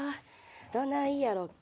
どないやろか？